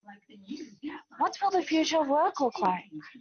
What will the future of work look like?